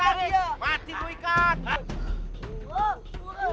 hai mbak kena kena